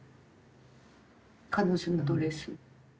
彼女のドレス。